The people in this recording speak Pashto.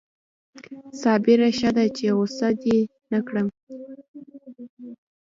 صابره ښه ده چې غصه دې نه کړم